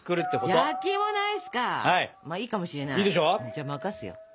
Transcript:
じゃあ任すよ。